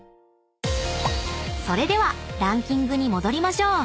［それではランキングに戻りましょう］